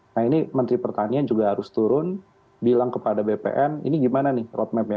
nah ini menteri pertanian juga harus turun bilang kepada bpn ini gimana nih roadmapnya